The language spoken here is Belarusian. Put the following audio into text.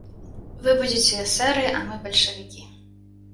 Вы будзеце эсэры, а мы бальшавікі.